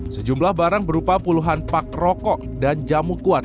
sejumlah barang berupa puluhan pak rokok dan jamu kuat